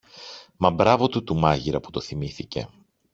Μα μπράβο του του μάγειρα που το θυμήθηκε!